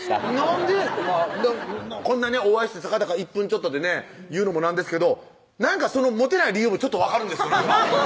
んでこんなねお会いしてたかだか１分ちょっとで言うのも何ですがなんかモテない理由もちょっと分かるんですよ